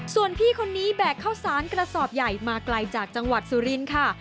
ส่วนพี่คนนี้แบกข้าวสารกระสอบใหญ่มาไกลจากจังหวัดสุรินทร์ค่ะ